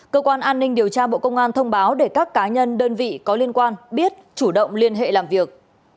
cơ quan an ninh điều tra bộ công an thông báo để các cá nhân đơn vị có liên quan biết chủ động liên hệ làm việc